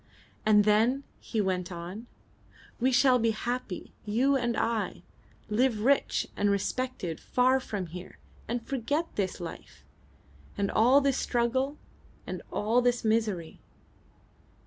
"And then," he went on, "we shall be happy, you and I. Live rich and respected far from here, and forget this life, and all this struggle, and all this misery!"